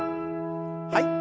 はい。